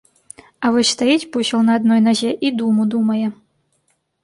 А вось стаіць бусел на адной назе і думу думае.